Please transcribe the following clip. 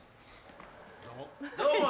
どうも。